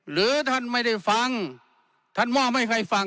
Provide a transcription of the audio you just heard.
หรือท่านไม่ได้ฟังท่านมองไม่ค่อยฟัง